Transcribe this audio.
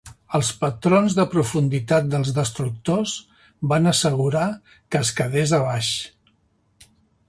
Els patrons de profunditat dels destructors van assegurar que es quedés a baix.